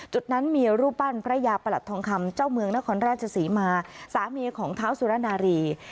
จุดนั้นมีรูปปั้นพระยาประหลัดทองคำเจ้าเมืองนครราชศรีมาสามีของเท้าสุรนารี